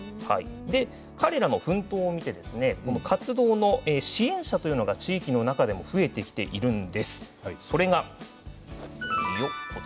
彼らの奮闘を見て活動の支援者というのが地域の中で増えてきているんです。